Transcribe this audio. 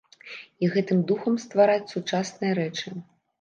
І гэтым духам ствараць сучасныя рэчы.